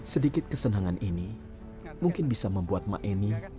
sedikit kesenangan ini mungkin bisa membuat ma eni